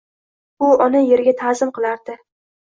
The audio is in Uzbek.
U ona yeriga taʼzim qilardi.